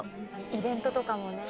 「イベントとかもね」